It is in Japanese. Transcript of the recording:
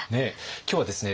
今日はですね